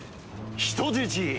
人質？